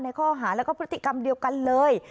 ข้อหาแล้วก็พฤติกรรมเดียวกันเลย